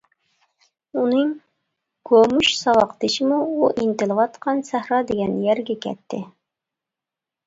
ئۇنىڭ گومۇش ساۋاقدىشىمۇ، ئۇ ئىنتىلىۋاتقان سەھرا دېگەن يەرگە كەتتى.